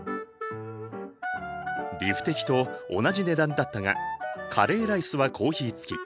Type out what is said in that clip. ビフテキと同じ値段だったがカレーライスはコーヒー付き。